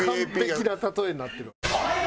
完璧な例えになってる。